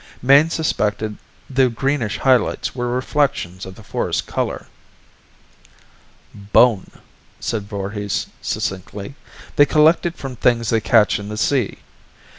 Mayne suspected the greenish highlights were reflections of the forest color. "Bone," said Voorhis succinctly. "They collect it from things they catch in the sea.